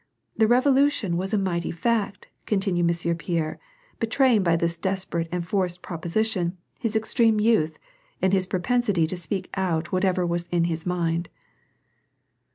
The Revolution was a mighty fact," continued Monsieur Pierre, betraying by this desperate and forced proposition, his extreme youth, and his propensity to speak out whatever was in his mind.